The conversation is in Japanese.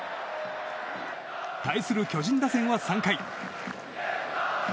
対する巨人打線は３回。